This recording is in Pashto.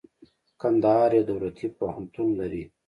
کندهار يو دولتي پوهنتون لري.